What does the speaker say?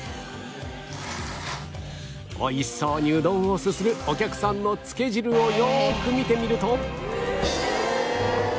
美味しそうにうどんをすするお客さんのつけ汁をよく見てみると